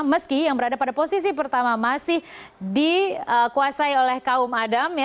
meski yang berada pada posisi pertama masih dikuasai oleh kaum adam